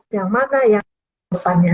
yang mana yang depannya